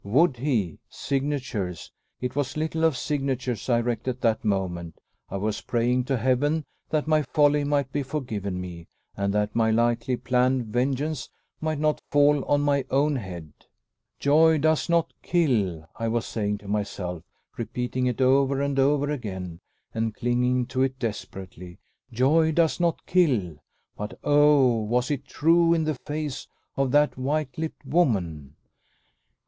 Would he? Signatures! It was little of signatures I recked at that moment. I was praying to Heaven that my folly might be forgiven me, and that my lightly planned vengeance might not fall on my own head. "Joy does not kill," I was saying to myself, repeating it over and over again, and clinging to it desperately. "Joy does not kill!" But oh! was it true in the face of that white lipped woman?